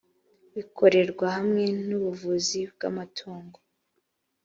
bikorerwa hamwe n ubuvuzi bw amatungo